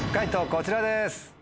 こちらです。